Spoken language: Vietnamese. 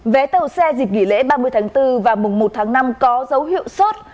vé tàu xe dịp nghỉ lễ ba mươi tháng bốn và mùng một tháng năm có dấu hiệu sốt